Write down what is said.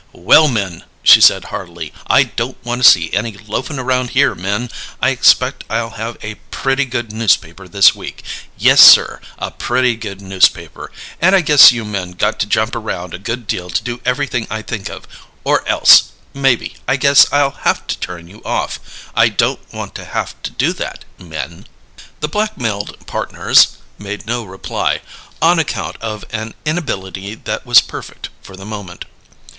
"Well, men," she said heartily, "I don't want to see any loafin' around here, men. I expect I'll have a pretty good newspaper this week; yes, sir, a pretty good newspaper, and I guess you men got to jump around a good deal to do everything I think of, or else maybe I guess I'll have to turn you off. I don't want to haf to do that, men." The blackmailed partners made no reply, on account of an inability that was perfect for the moment.